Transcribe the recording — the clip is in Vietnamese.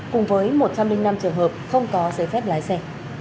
cùng với một trăm linh năm trường hợp không có giấy phép lái xe